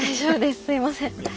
すいません。